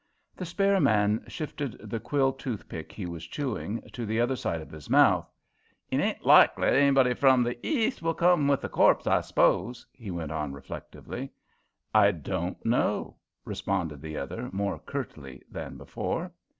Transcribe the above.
The spare man shifted the quill toothpick he was chewing to the other side of his mouth. "It ain't likely that anybody from the East will come with the corpse, I s'pose," he went on reflectively. "I don't know," responded the other, more curtly than before.